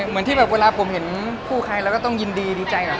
เหมือนที่แบบเวลาผมเห็นผู้ใครเราก็ต้องยินดีดีใจกับ